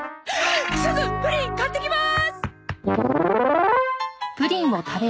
すぐプリン買ってきまーす！